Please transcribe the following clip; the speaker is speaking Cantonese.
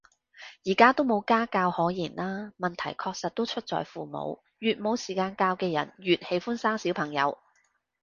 而家都冇家教可言啦，問題確實都是出在父母，越沒有時間教的人越喜歡生小朋友